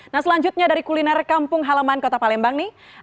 nah selanjutnya dari kuliner kampung halaman kota palembang nih